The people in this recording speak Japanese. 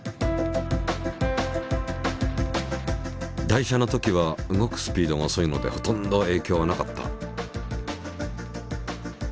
台車のときは動くスピードがおそいのでほとんどえいきょうはなかった。